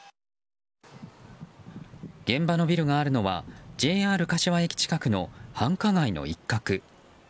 現場のビルがあるのはＪＲ柏駅近くの繁華街の一角。